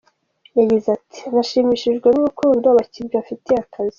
Yagize ati” Nashimishijwe n’urukundo Abakinnyi bafitiye akazi.